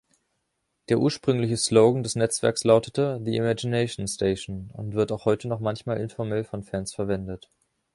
Der ursprüngliche Slogan des Netzwerks lautete „The Imagination Station" und wird auch heute noch manchmal informell von Fans verwendet.